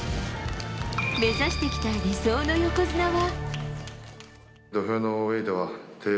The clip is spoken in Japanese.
目指してきた理想の横綱は。